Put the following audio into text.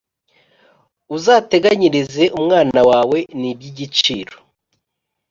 Uzatenganyirize umwana wawe nibyigiciro